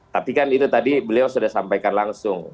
tapi kan itu tadi beliau sudah sampaikan langsung